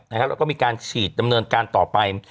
แล้วก็มีการฉีดดำเนินการต่อไป